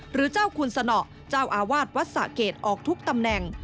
หรือเจ้าคุณสนเจ้าอาวาสวัดสะเกดออกทุกตำแหน่ง